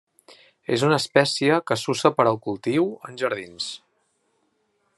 És una espècie que s'usa per al cultiu en jardins.